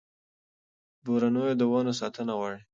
بورنېو د ونو ساتنه غواړي.